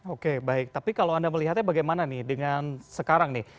oke baik tapi kalau anda melihatnya bagaimana nih dengan sekarang nih